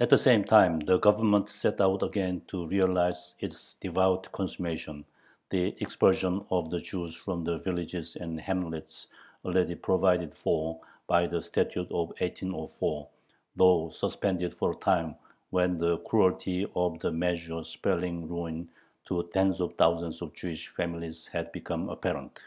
At the same time the Government set out again to realize its devout consummation the expulsion of the Jews from the villages and hamlets already provided for by the Statute of 1804, though suspended for a time when the cruelty of the measure spelling ruin to tens of thousands of Jewish families had become apparent.